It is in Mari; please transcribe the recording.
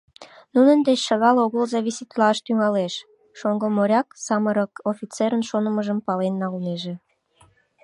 Нунын деч шагал огыл зависитлаш тӱҥалеш, — шоҥго моряк самырык офицерын шонымыжым пален налнеже.